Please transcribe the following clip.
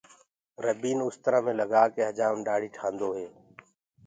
ربينٚ اُسترآ مينٚ لگآ ڪي هجآم ڏآڙهي ٺآندو هي۔